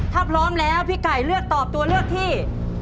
ถ้าพร้อมแล้วพี่ไก่เลือกตอบตัวเลือกที่